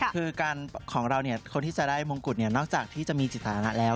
คือการของเราคนที่จะได้มงกุฎนอกจากที่จะมีจิตฐานะแล้ว